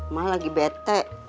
mak lagi bete